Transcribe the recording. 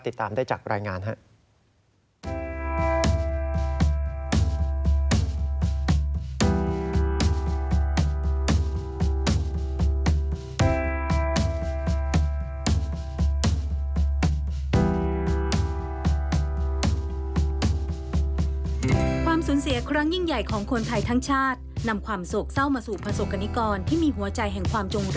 ติดตามได้จากรายงานครับ